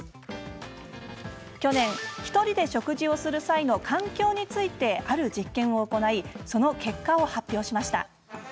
去年、ひとりで食事をする際の環境についてある実験を行い結果を発表しました。